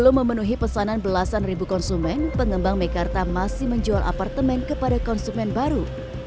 belum memenuhi pesanan belasan ribu konsumen pengembang mekarta masih menjual apartemen kepada konsumen baru